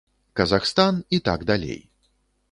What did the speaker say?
Казахстан і так далей.